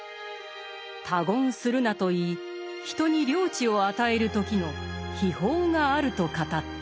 「他言するな」と言い人に領地を与える時の秘法があると語った。